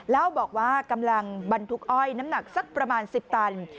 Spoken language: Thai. เล่าบอกว่ากำลังบรรทุกอ้อยน้ำหนักสักประมาณ๑๐ตัน